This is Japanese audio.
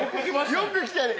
よく来たね。